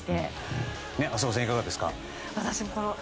浅尾さん、いかがですか？